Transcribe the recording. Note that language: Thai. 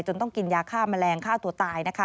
ต้องกินยาฆ่าแมลงฆ่าตัวตายนะคะ